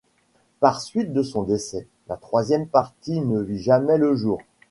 Par suite de son décès, la troisième partie ne vit jamais le jour.